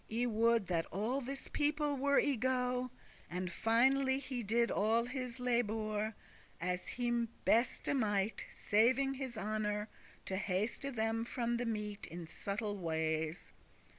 I would that all this people were y go."* *gone away And finally he did all his labour, As he best mighte, saving his honour, To haste them from the meat in subtle wise.